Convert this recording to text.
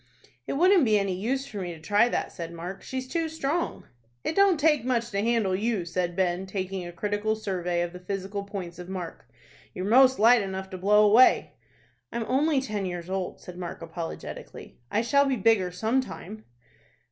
"It wouldn't be any use for me to try that," said Mark. "She's too strong." "It don't take much to handle you," said Ben, taking a critical survey of the physical points of Mark. "You're most light enough to blow away." "I'm only ten years old," said Mark, apologetically. "I shall be bigger some time."